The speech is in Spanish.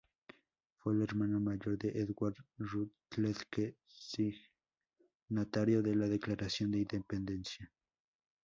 Fue el hermano mayor de Edward Rutledge, signatario de la Declaración de Independencia.